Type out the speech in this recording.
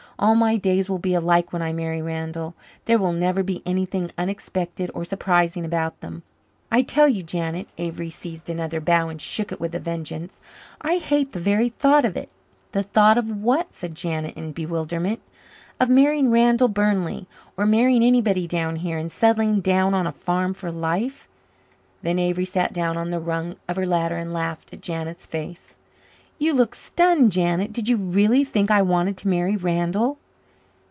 All my days will be alike when I marry Randall. There will never be anything unexpected or surprising about them. I tell you Janet," Avery seized another bough and shook it with a vengeance, "I hate the very thought of it." "The thought of what?" said Janet in bewilderment. "Of marrying Randall Burnley or marrying anybody down here and settling down on a farm for life." Then Avery sat down on the rung of her ladder and laughed at Janet's face. "You look stunned, Janet. Did you really think I wanted to marry Randall?"